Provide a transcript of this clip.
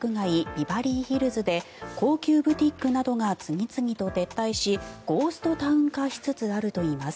ビバリーヒルズで高級ブティックなどが次々と撤退しゴーストタウン化しつつあるといいます。